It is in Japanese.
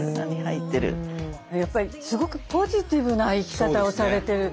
やっぱりすごくポジティブな生き方をされてる。